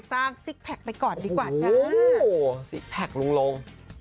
ซิกแพคไปก่อนดีกว่าจ้าโอ้โหซิกแพคลุงลง